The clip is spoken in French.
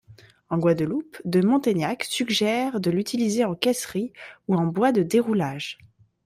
En Guadeloupe, de Montaignac suggère de l’utiliser en caisserie ou en bois de déroulage.